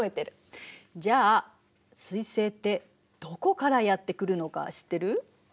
じゃあ彗星ってどこからやって来るのか知ってる？